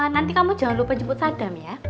nanti kamu jangan lupa jemput sadam ya